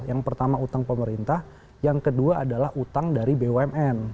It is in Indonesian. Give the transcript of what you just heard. yang pertama utang pemerintah yang kedua adalah utang dari bumn